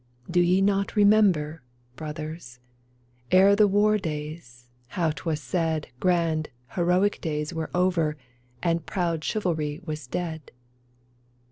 Do ye not remember, brothers, Ere the war days how 'twas said Grand, heroic days were over And proud chivalry was dead